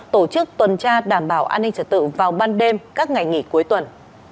tổ chức tuần tra đảm bảo an ninh trật tự vào ban đêm các ngày nghỉ cuối tuần